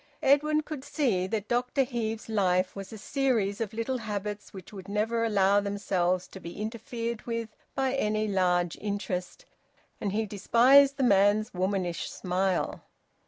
Edwin could see that Dr Heve's life was a series of little habits which would never allow themselves to be interfered with by any large interest, and he despised the man's womanish smile.